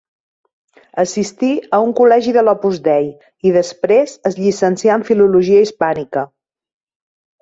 Assistí a un col·legi de l'Opus Dei i després es llicencià en filologia hispànica.